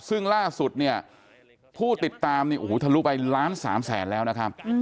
ซึ่งล่าสุดผู้ติดตามทะลุไปล้านสามแสนแล้วนะครับ